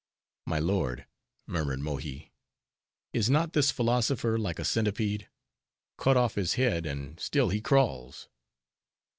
"My lord," murmured Mohi, "Is not this philosopher like a centipede? Cut off his head, and still he crawls."